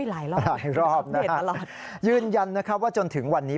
รายรอบนะครับเรียกตลอดยืนยันนะครับว่าจนถึงวันนี้